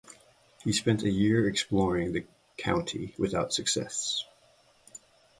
He spent a year exploring the county without success.